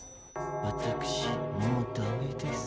わたくしもうダメです。